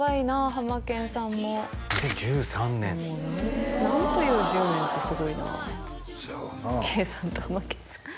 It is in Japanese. ハマケンさんも２０１３年何という１０年ってすごいな圭さんとハマケンさん